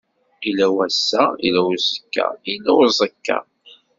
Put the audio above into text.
Illa wass-a, illa uzekka, illa uẓekka.